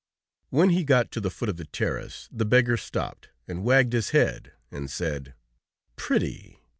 When he got to the foot of the terrace, the beggar stopped, and wagged his head and said: "Pretty!